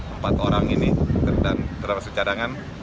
empat orang ini dan terhadap secadangan